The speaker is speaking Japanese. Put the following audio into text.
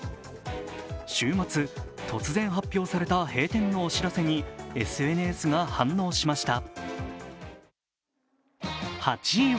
週末、突然発表された閉店のお知らせにＳＮＳが反応しました。